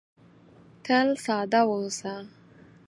تل ساده واوسه .